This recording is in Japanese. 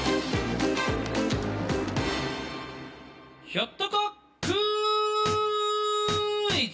ひょっとこクイズ！